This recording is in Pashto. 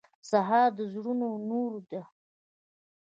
سهار د زړونو نور ده.